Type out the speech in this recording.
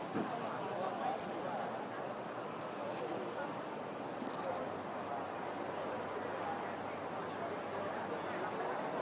แค่แค่ใคร